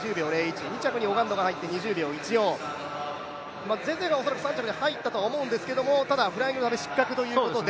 ２着にオガンドが入って２０秒１４、ゼゼが恐らく３着に入ったと思うんですが、フライングで失格ということで。